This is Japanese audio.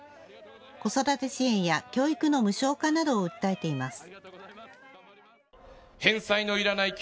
子育て支援や教育の無償化などを訴えています。